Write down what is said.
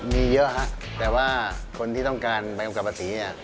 มีเยอะครับแต่ว่าคนที่ต้องการใบกำกับภาษีเนี่ย